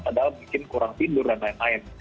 padahal bikin kurang tidur dan lain lain